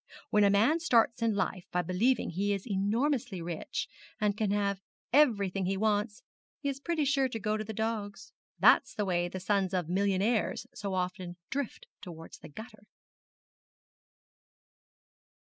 When a man starts in life by believing he is enormously rich, and can have everything he wants, he is pretty sure to go to the dogs. That's the way the sons of millionaires so often drift towards the gutter.'